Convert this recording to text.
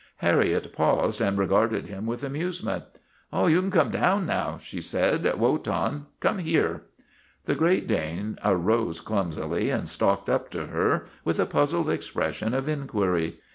Harriet paused and regarded him with amuse ment. " You can come down now," she said. " Wotan, come here." The Great Dane arose clumsily and stalked up to her with a puzzled expression of inquiry.